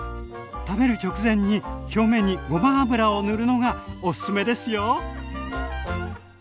食べる直前に表面にごま油を塗るのがおすすめですよ！